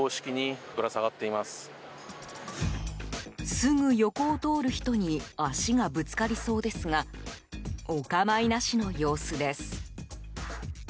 すぐ横を通る人に足がぶつかりそうですがお構いなしの様子です。